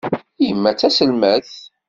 Yemma d taselmadt.